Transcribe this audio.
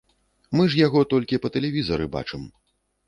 Мы ж яго толькі па тэлевізары бачым.